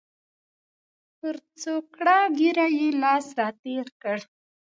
پر څوکړه ږیره یې لاس را تېر کړ.